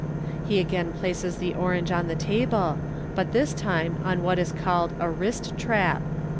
He again lays the orange on the table, but this time on what is called a " wrist trap."